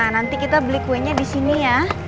nanti kita beli kuenya di sini ya